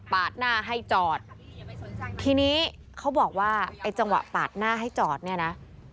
หน้าให้จอดทีนี้เขาบอกว่าไอ้จังหวะปาดหน้าให้จอดเนี่ยนะ